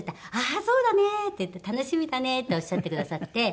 「ああそうだね」って言って「楽しみだね」っておっしゃってくださって。